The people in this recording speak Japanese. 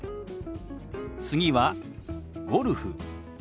次は「ゴルフ」。